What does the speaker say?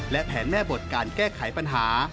และแผนแม่บทการแก้ไขปัญหา